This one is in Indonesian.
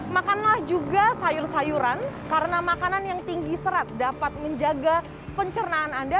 makanlah juga sayur sayuran karena makanan yang tinggi serat dapat menjaga pencernaan anda